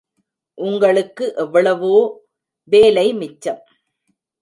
உங்களுக்கு எவ்வளோ வேலை மிச்சம்.